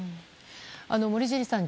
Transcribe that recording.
森尻さん